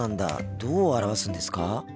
どう表すんですか？